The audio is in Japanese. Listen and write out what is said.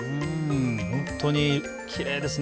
本当にきれいですね。